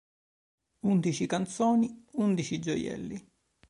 Undici canzoni, undici gioielli.